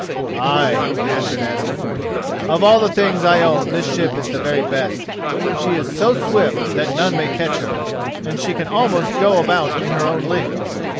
"Ay," answered Asmund, "of all the things I own this ship is the very best. She is so swift that none may catch her, and she can almost go about in her own length.